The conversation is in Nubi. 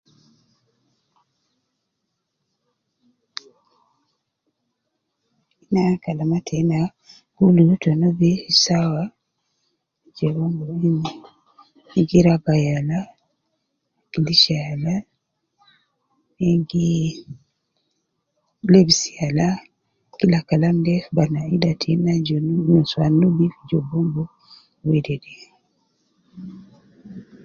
Nam kalama tenna kulu ta nubi sawa sawa muhimu, ina giraba yaba, kulisha yala, ina gilebisi yala, kila kalama de fi batina ida tena , ja nusuwan nubi, fi jo Bombo uwedede.